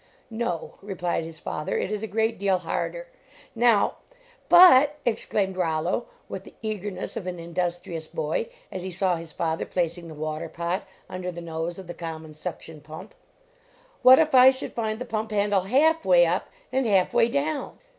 "No," replied his father, "it is a great deal harder. Now "" But," exclaimed Rollo, with the eager ness of an industrious boy, as he saw his father placing the water pot under the nose LEARNING TO WORK of the common suction pump, "what if I should find the pump handle half way up and half way down?